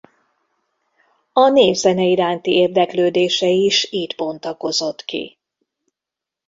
A népzene iránti érdeklődése is itt bontakozott ki.